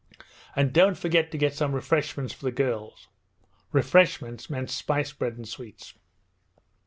'And don't forget to get some refreshments for the girls.' ('Refreshments' meaning spicebread and sweets.)